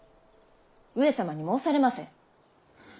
上様に申されませ。